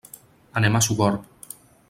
Anem a Sogorb.